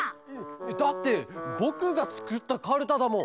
だってぼくがつくったカルタだもん。